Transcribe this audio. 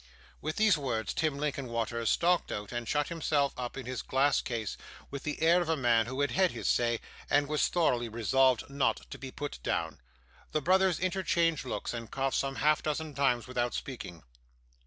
With these words, Tim Linkinwater stalked out, and shut himself up in his glass case, with the air of a man who had had his say, and was thoroughly resolved not to be put down. The brothers interchanged looks, and coughed some half dozen times without speaking.